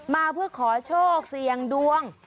มาเพื่อขอโชคเสี่ยงดวง